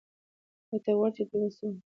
ایا ته غواړې چې د تولستوی په څېر لیکوال شې؟